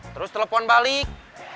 terus telepon balik